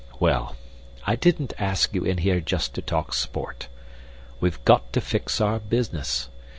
Well, I didn't ask you in here just to talk sport. We've got to fix our business.